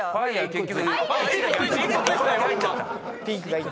結局。